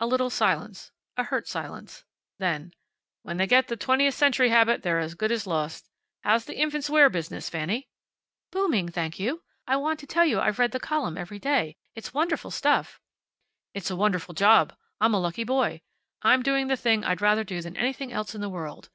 A little silence. A hurt silence. Then, "When they get the Twentieth Century habit they're as good as lost. How's the infants' wear business, Fanny?" "Booming, thank you. I want to tell you I've read the column every day. It's wonderful stuff." "It's a wonderful job. I'm a lucky boy. I'm doing the thing I'd rather do than anything else in the world.